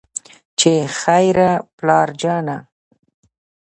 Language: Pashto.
چې خېره پلار جانه